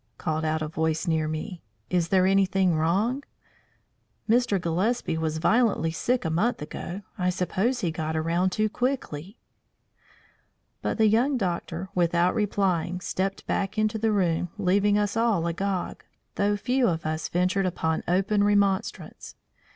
called out a voice near me. "Is there anything wrong? Mr. Gillespie was violently sick a month ago. I suppose he got around too quickly." But the young doctor, without replying, stepped back into the room, leaving us all agog, though few of us ventured upon open remonstrance.